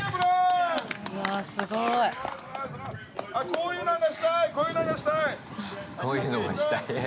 こういうのがしたい。